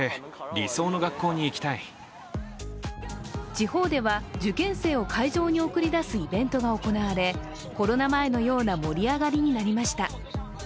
地方では受験生を会場に送り出すイベントが行われ、コロナ前のような盛り上がりになりました。